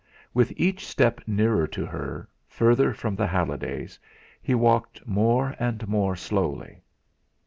With each step nearer to her, further from the Hallidays, he walked more and more slowly.